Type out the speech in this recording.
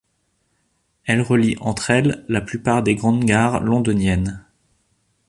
Elle relie entre elles la plupart des grandes gares londoniennes.